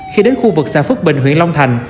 khi đến khu vực xã phước bình huyện long thành